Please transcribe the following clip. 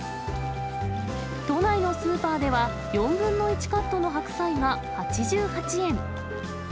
都内のスーパーでは、４分の１カットの白菜が８８円。